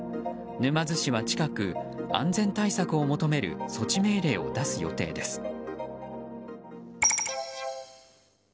沼津市は近く、安全対策を求める措置命令を出す予定です。